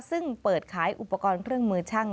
ซึ่งเปิดขายอุปกรณ์เครื่องมือช่าง